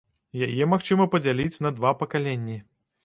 Яе магчыма падзяліць на два пакаленні.